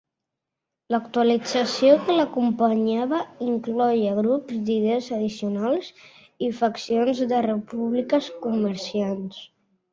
L'actualització que l'acompanyava incloïa grups d'idees addicionals i faccions de Repúbliques Comerciants.